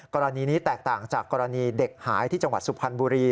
กรณีนี้แตกต่างจากกรณีเด็กหายที่จังหวัดสุพรรณบุรี